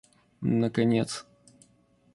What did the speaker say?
наконец